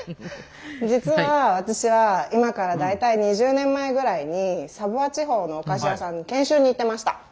実は私は今から大体２０年前ぐらいにサヴォワ地方のお菓子屋さんに研修に行ってました。